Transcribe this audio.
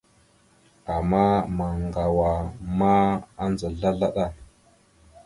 Ama maŋgawa ma andza slaslaɗa.